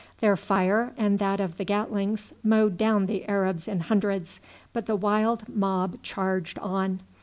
Their fire and that of the Gatlings mowed down the Arabs in hundreds, but the wild mob charged on.